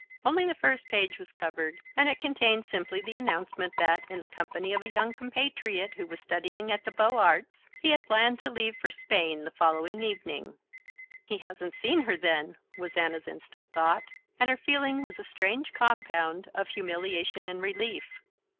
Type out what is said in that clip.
Only the first page was covered, and it contained simply the announcement that, in the company of a young compatriot who was studying at the Beaux Arts, he had planned to leave for Spain the following evening. "He hasn't seen her, then!" was Anna's instant thought; and her feeling was a strange compound of humiliation and relief.